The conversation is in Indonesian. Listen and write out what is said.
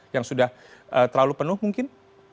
yang sudah terlalu penuh mungkin